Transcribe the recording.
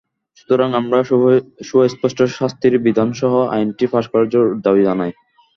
সুতরাং আমরা সুস্পষ্ট শাস্তির বিধানসহ আইনটি পাস করার জোর দাবি জানাই।